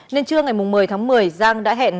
nên trưa ngày một mươi tháng một mươi giang đã hẹn